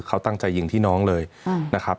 เขาตั้งใจยิงพี่น้องเลยนะครับ